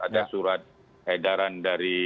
ada surat edaran dari